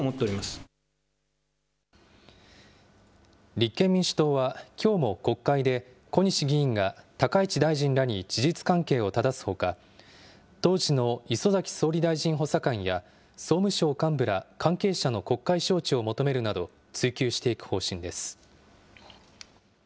立憲民主党はきょうも国会で、小西議員が高市大臣らに事実関係をただすほか、当時の礒崎総理大臣補佐官や総務省幹部ら、関係者の国会招致を求めるなど、追及していく方針です。